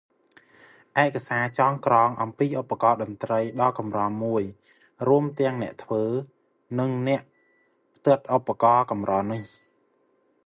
ឯកសារចងក្រងអំពីឧបករណ៍តន្ត្រីដ៏កម្រមួយ រួមទាំងអ្នកធ្វើ និងអ្នកផ្ទាត់ឧបករណ៍កម្រនេះ